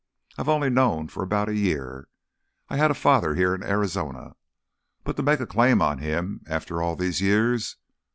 I've only known for about a year I had a father here in Arizona ... but to make a claim on him, after all these years....